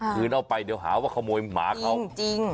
คืนเอาไปเดี๋ยวหาว่าขโมยหมาเขาจริง